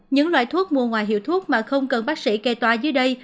những loại thuốc mua ngoài hiệu thuốc mà không cần bác sĩ kê tòa dưới đây